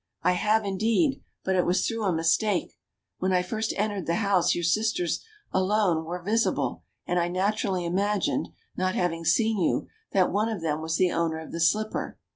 I have, indeed ; but it was through a mistake. When I first entered the house, your sisters alone were visible ; and I naturally imagined — not having seen you — that one of them was the owner of the slipper.